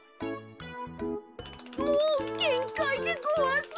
もうげんかいでごわす。